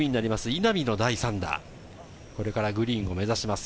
稲見の第３打、これからグリーンを目指します。